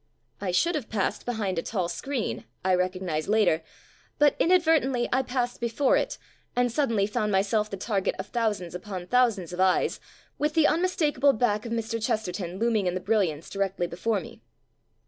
I should have passed behind a tall screen (I recognized later), but inadvertently I passed before it, and suddenly found myself the target of thousands upon thousands of eyes, with the unmistakable back of Mr. Chesterton looming in the brilliance directly before me.